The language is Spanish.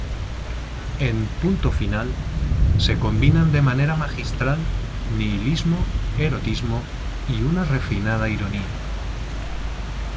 En "Punto Final" se combinan de manera magistral nihilismo, erotismo y una refinada ironía.